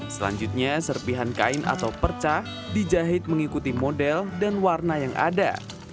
selanjutnya serpihan kain atau perca dijahit mengikuti model dan warna yang ada